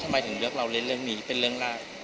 หมายถึงเลือกเราเล่นเรื่องนี้เป็นเรื่องแรก